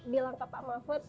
bilang ke pak mahfud